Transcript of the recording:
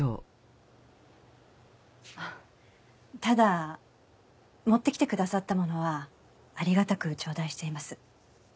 ただ持ってきてくださった物はありがたく頂戴しています。